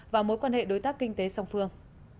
và mối quan hệ đối tác kinh tế song phương